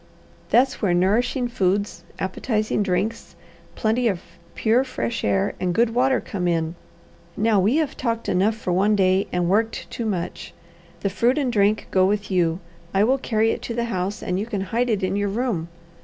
"That's where nourishing foods, appetizing drinks, plenty of pure, fresh air, and good water come in. Now we have talked enough for one day, and worked too much. The fruit and drink go with you. I will carry it to the house, and you can hide it in your room.